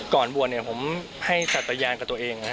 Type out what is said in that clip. ก่อนบวชผมให้ศัตยานกับตัวเอง